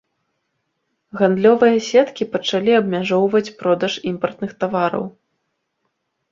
Гандлёвыя сеткі пачалі абмяжоўваць продаж імпартных тавараў.